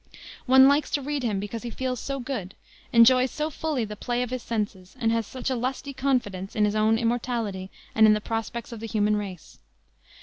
One likes to read him because he feels so good, enjoys so fully the play of his senses, and has such a lusty confidence in his own immortality and in the prospects of the human race.